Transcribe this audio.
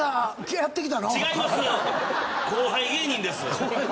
後輩芸人です。